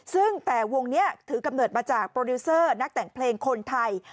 ซึ่งแต่วงนี้ถือกำเนิดมาจากโปรดิวเซอร์นักแต่งเพลงคนไทย